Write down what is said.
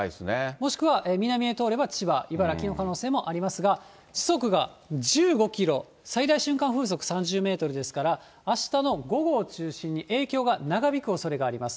もしくは、南へ通れば千葉、茨城の可能性もありますが、時速が１５キロ、最大瞬間風速３０メートルですから、あしたの午後を中心に影響が長引くおそれがあります。